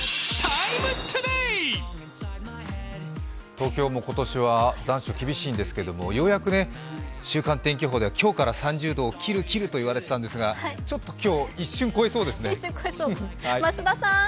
東京も今年は残暑が厳しいんですけどもようやく週間天気予報では今日から３０度を切る切るといわれてたんですがちょっと今日、一瞬超えそうですね。